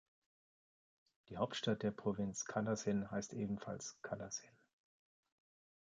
Die Hauptstadt der Provinz Kalasin heißt ebenfalls Kalasin.